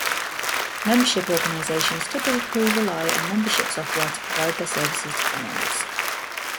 Membership organizations typically rely on Membership software to provide their services to their members.